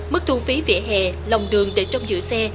mức thu phí vỉa hè lòng đường để trong giữ xe